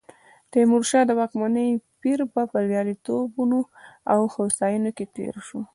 د تیمورشاه د واکمنۍ پیر په بریالیتوبونو او هوساینو کې تېر شو.